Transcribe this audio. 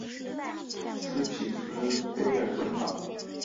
斯匹兹卑尔根岛。